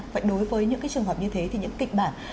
vậy đối với những cái trường hợp như thế thì những kịch bản